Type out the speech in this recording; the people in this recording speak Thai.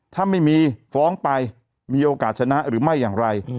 ถ้าไม่มีฟ้องไปมีโอกาสชนะหรือไม่อย่างไร